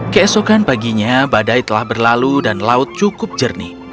keesokan paginya badai telah berlalu dan laut cukup jernih